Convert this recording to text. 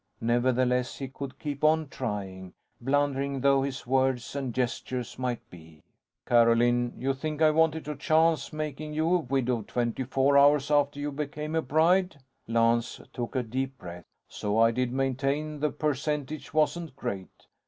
Nevertheless he could keep on trying blundering though his words and gestures might be. "Carolyn, you think I wanted to chance making you a widow twenty four hours after you became a bride?" Lance took a deep breath. "So I did maintain the percentage wasn't great.